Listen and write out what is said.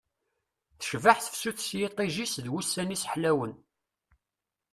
Tecbeḥ tefsut s yiṭij-is d wussan-is ḥlawen